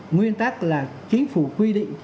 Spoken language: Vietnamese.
nguyên tắc là chính phủ quy định